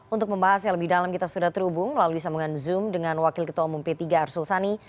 untuk membahas yang lebih dalam kita sudah terhubung melalui sambungan zoom dengan wakil ketua umum p tiga arsul sani